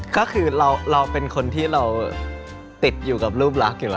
ก็คือเราเป็นคนที่เราติดอยู่กับรูปรักอยู่แล้ว